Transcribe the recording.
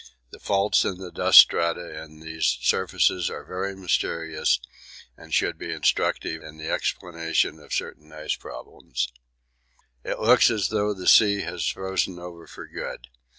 The faults in the dust strata in these surfaces are very mysterious and should be instructive in the explanation of certain ice problems. It looks as though the sea had frozen over for good.